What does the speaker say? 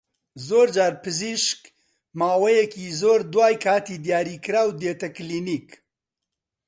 زۆرجار پزیشک ماوەیەکی زۆر دوای کاتی دیاریکراو دێتە کلینیک